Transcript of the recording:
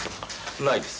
ないです。